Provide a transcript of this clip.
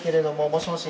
もしもし。